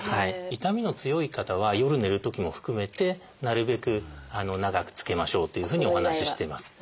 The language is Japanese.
痛みの強い方は夜寝るときも含めてなるべく長く着けましょうというふうにお話ししています。